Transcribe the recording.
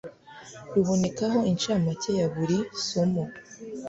rubonekaho incamake ya buri somo